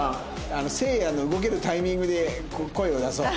晴也の動けるタイミングで声を出そう。